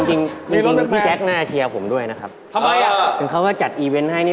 จริงพี่แจ็คน่าเชียร์ผมด้วยนะครับจนเขาจะจัดอีเวนต์ให้